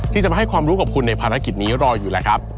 ที่จะมาให้ความรู้กับคุณในภารกิจนี้รออยู่แล้วครับ